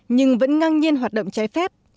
nhưng vẫn ngang nhiên hoạt động trái phép